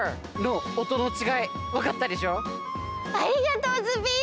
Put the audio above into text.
ありがとうズビー！